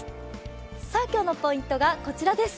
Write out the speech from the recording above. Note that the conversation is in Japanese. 今日のポイントがこちらです。